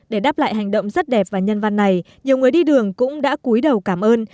để đáp lại hành động rất đẹp và nhân văn này nhiều người đi đường cũng đã cúi đầu cảm ơn